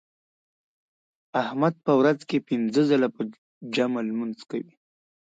احمد په ورځ کې پینځه ځله په جمع لمونځ کوي.